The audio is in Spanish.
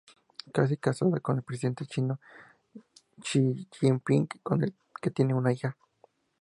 Está casada con el presidente chino, Xi Jinping, con el que tiene una hija.